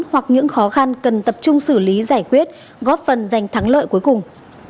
hoặc những khó khăn cần tập trung xử lý giải quyết góp phần giành thắng lợi cuối cùng